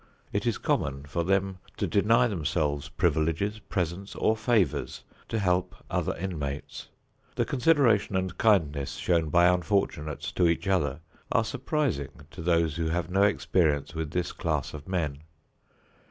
It is common for them to deny themselves privileges, presents or favors to help other inmates. The consideration and kindness shown by unfortunates to each other are surprising to those who have no experience with this class of men.